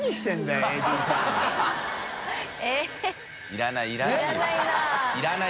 いらないな。